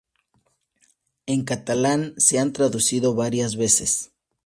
En catalán se ha traducido varias veces.